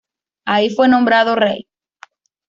Ahí fue nombrado rey.